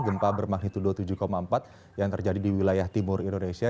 gempa bermagnitudo tujuh empat yang terjadi di wilayah timur indonesia